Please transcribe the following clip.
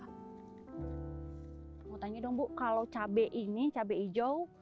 mau tanya dong bu kalau cabai ini cabai hijau